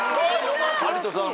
有田さん